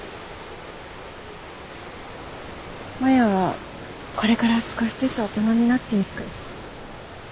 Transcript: マヤはこれから少しずつ大人になっていく。